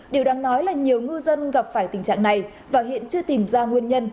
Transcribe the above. điều đáng nói là nhiều ngư dân gặp phải tình trạng này và hiện chưa tìm ra nguyên nhân